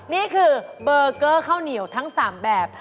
นี่คือเบอร์เกอร์ข้าวเหนียวทั้ง๓แบบ